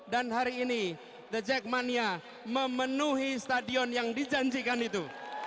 dan hari ini the jackmania memenuhi stadion yang dijanjikan itu